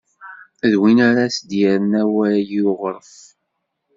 D win ara s-d-yerren awal i uɣref.